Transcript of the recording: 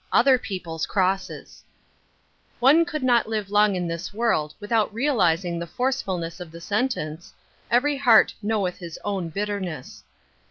OTHEB people's CROSSES, NE could not live long in this world >^^.^^ without realizing the forcefulness of the sentence :" Every heart knoweth his own bitterness."